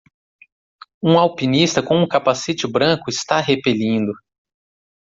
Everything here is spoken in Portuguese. Um alpinista com um capacete branco está repelindo.